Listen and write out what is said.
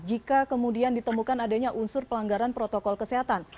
jika kemudian ditemukan adanya unsur pelanggaran protokol kesehatan